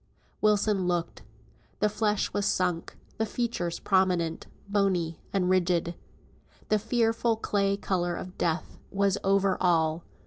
Wilson looked. The flesh was sunk, the features prominent, bony, and rigid. The fearful clay colour of death was over all.